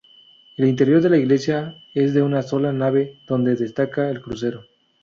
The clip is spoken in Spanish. El interior de la iglesia es de una sola nave, donde destaca el crucero.